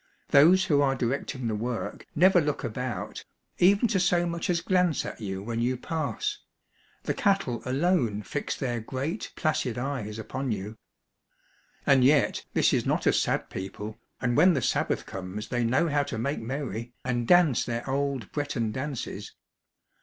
Those who are directing the work never look about, even to so much as glance at you when you pass; the cattle alone fix their great, placid eyes upon you. And yet this is not a sad people, and when the Sabbath comes they know how to make merry, and dance their old Breton dances.